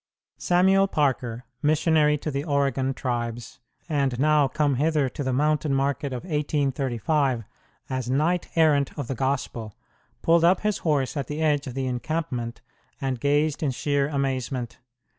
Samuel Parker, missionary to the Oregon tribes, and now come hither to the mountain market of 1835 as knight errant of the Gospel, pulled up his horse at the edge of the encampment and gazed in sheer amazement.